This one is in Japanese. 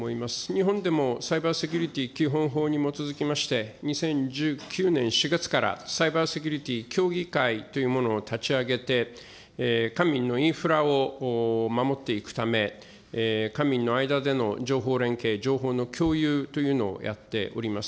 日本でもサイバーセキュリティ基本法に基づきまして、２０１９年４月からサイバーセキュリティ協議会というものを立ち上げて、官民のインフラを守っていくため、官民の間での情報連携、情報の共有というのをやっております。